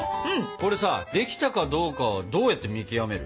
これさ出来たかどうかどうやって見極める？